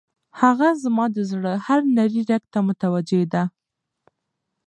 هغه زما د زړه هر نري رګ ته متوجه ده.